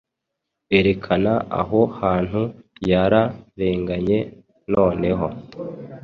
Erekana aho hantu yara renganye noneho